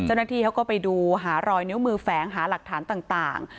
เจ้าหน้าที่เขาก็ไปดูหารอยนิ้วมือแฝงหาหลักฐานต่าง